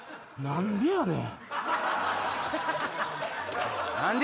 何やねん！